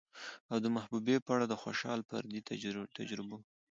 او د محبوبې په اړه د خوشال فردي تجربو